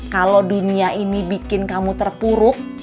kalau dunia ini bikin kamu terpuruk